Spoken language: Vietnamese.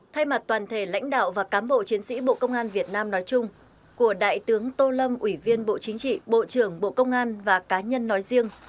thay mặt toàn thể lãnh đạo và cám bộ chiến sĩ bộ công an việt nam nói chung của đại tướng tô lâm ủy viên bộ chính trị bộ trưởng bộ công an và cá nhân nói riêng